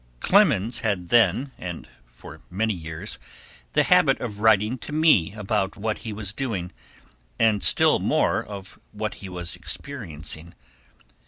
Clemens had then and for many years the habit of writing to me about what he was doing, and still more of what he was experiencing.